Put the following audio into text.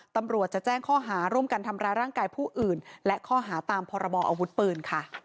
ตำรวจจะแจ้งข้อหาร่วมกันทำร้ายร่างกายผู้อื่นและข้อหาตามพรบออาวุธปืนค่ะ